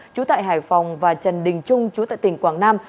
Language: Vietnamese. chú tại hải phòng và trần đình trung chú tại tỉnh quảng nam